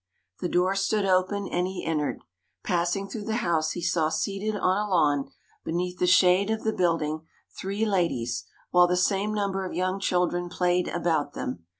The door stood open and he entered. Passing through the house, he saw seated on a lawn, beneath the shade of the building, three ladies, while the same number of young children played about them.